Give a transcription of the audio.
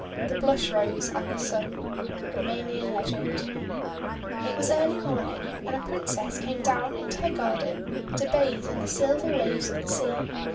THE BLUSH ROSE AND THE SUN Roumanian Legend IT was early morning, and a Princess came down into her garden to bathe in the silver waves of the sea.